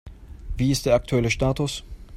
Wie ist der aktuelle Status?